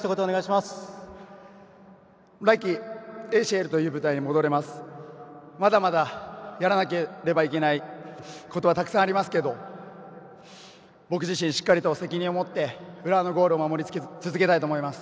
まだまだやらなければならないことがたくさんありますけど僕自身、しっかりと責任を持って浦和のゴールを守り続けたいと思います。